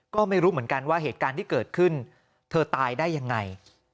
ก็ไม่รู้เหมือนกันว่าเหตุการณ์ที่เกิดขึ้นเธอตายได้ยังไง